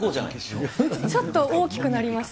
ちょっと大きくなりました。